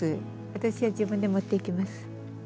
私は自分で持っていきます。